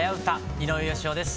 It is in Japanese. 井上芳雄です。